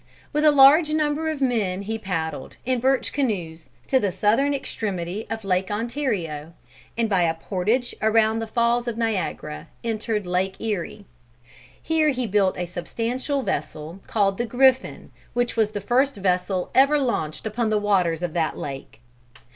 With a large number of men he paddled, in birch canoes, to the southern extremity of Lake Ontario, and, by a portage around the falls of Niagara, entered Lake Erie. Here he built a substantial vessel, called the Griffin, which was the first vessel ever launched upon the waters of that lake.